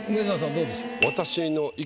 どうでしょう？